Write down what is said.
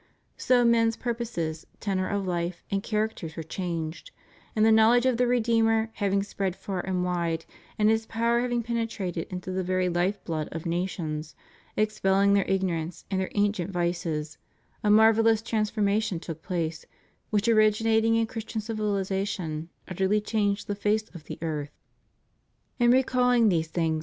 So men's purposes, tenor of life, and characters were changed, and the knowl edge of the Redeemer having spread far and wide, and His power having penetrated into the very life blood of nations, expelling their ignorance and their ancient vices, a marvellous transformation took place, which, origi nating in Christian civilization, utterly changed the face of the earth. In recalUng these things.